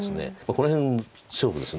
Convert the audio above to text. この辺勝負です。